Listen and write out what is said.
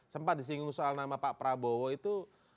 sempat disinggung soal nama pak prabowo itu